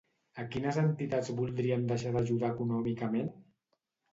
A quines entitats voldrien deixar d'ajudar econòmicament?